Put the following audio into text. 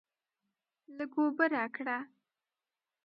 لږ اوبه راکړه!